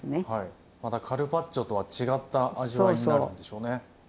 またカルパッチョとは違った味わいになるんでしょうね。